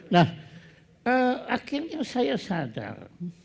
nah akhirnya saya sadar